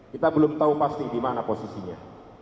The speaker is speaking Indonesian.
kita belum tahu pasti di mana posisinya